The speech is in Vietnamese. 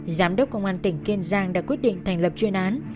giám đốc công an tỉnh kiên giang đã quyết định thành lập chuyên án